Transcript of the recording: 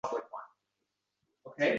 Hozirda maktablarni bitirayotgan: